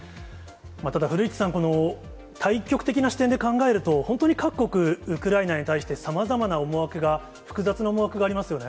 ただ古市さん、大局的な視点で考えると、本当に各国、ウクライナに対して、さまざまな思惑が、複雑な思惑がありますよね。